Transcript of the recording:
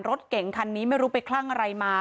รถเก่งคันนี้ไม่รู้ไปคลั่งอะไรมา